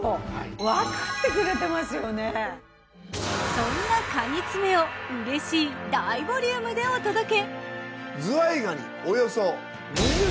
そんなかに爪を嬉しい大ボリュームでお届け。